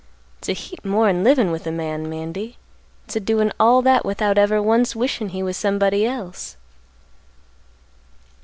It's a heap more'n livin' with a man, Mandy; it's a doin' all that, without ever once wishin' he was somebody else."